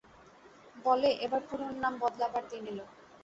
বলে, এবার পুরোনো নাম বদলাবার দিন এল।